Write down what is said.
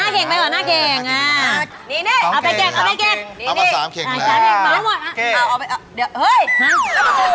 เข่งอะไรน่ะปลาทูบาทูเข่งละห้าบาท